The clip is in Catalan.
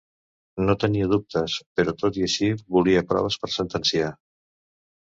No tenia dubtes, però tot i així volia proves per sentenciar.